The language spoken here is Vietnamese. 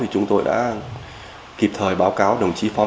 tử thi là tử thi nữ giới